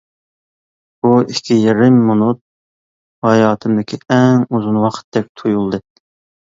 بۇ ئىككى يېرىم مىنۇت ھاياتىمدىكى ئەڭ ئۇزۇن ۋاقىتتەك تۇيۇلدى.